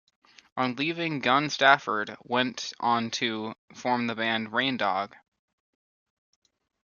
On leaving Gun Stafford went on to form the band 'Raindog'.